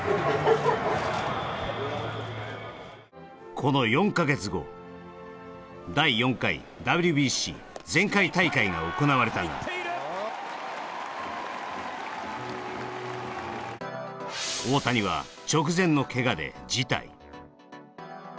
この４か月後、第４回ＷＢＣ前回大会が行われたが大谷は直前のけがで辞退。